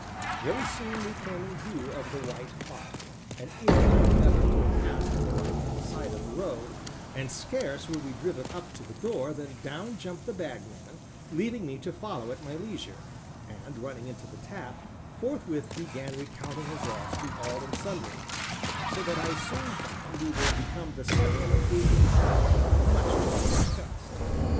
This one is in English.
Very soon we came in view of "The White Hart," an inn I remembered to have passed on the right hand side of the road, and scarce were we driven up to the door than down jumped the Bagman, leaving me to follow at my leisure, and running into the tap, forthwith began recounting his loss to all and sundry, so that I soon found we were become the center of a gaping crowd, much to my disgust.